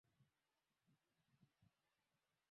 Saba bilioni ambao nusu ni waamini wa Kanisa Katoliki na